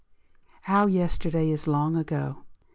XXVII. How yesterday is long ago!